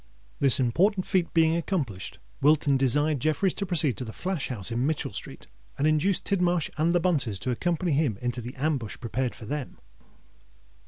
This important feat being accomplished, Wilton desired Jeffreys to proceed to the flash house in Mitchell Street, and induce Tidmarsh and the Bunces to accompany him into the ambush prepared for them.